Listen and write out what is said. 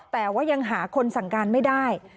แต่ว่ายังหาคนสั่งการไม่ได้